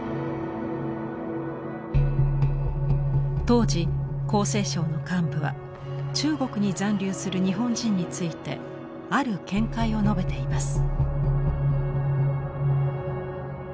当時厚生省の幹部は中国に残留する日本人についてある見解を述べています。